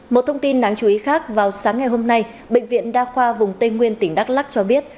một thông tin đáng chú ý khác vào sáng ngày hôm nay bệnh viện đa khoa vùng tây nguyên tỉnh đắk lắc cho biết